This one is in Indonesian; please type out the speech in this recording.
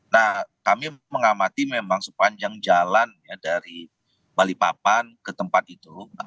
nah kami mengamati memang sepanjang jalan ya dari balikpapan ke tempat itu